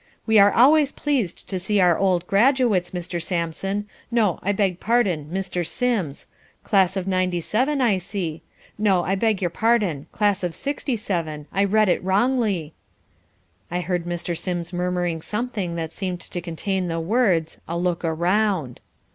"We are always pleased to see our old graduates, Mr. Samson No, I beg pardon, Mr. Sims class of '97, I see No, I beg your pardon, Class of '67, I read it wrongly " I heard Mr. Sims murmuring something that seemed to contain the words "a look around."